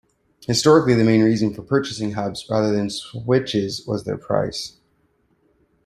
Historically, the main reason for purchasing hubs rather than switches was their price.